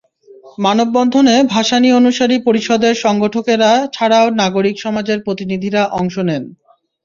মানববন্ধনে ভাসানী অনুসারী পরিষদের সংগঠকেরা ছাড়াও নাগরিক সমাজের প্রতিনিধিরা অংশ নেন।